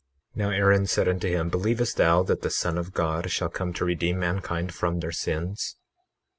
21:7 Now Aaron said unto him: Believest thou that the Son of God shall come to redeem mankind from their sins?